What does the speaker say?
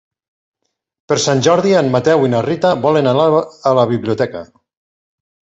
Per Sant Jordi en Mateu i na Rita volen anar a la biblioteca.